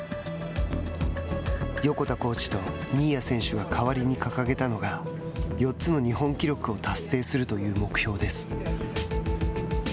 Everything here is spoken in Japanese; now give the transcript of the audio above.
横田コーチと新谷選手が代わりに掲げたのが４つの日本記録を達成するという目標です。